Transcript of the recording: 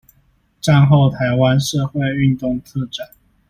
戰後臺灣社會運動特展